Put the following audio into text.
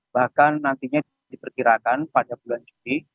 bahkan nantinya diperkirakan pada bulan juli